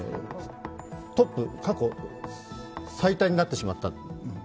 過去最多になってしまった。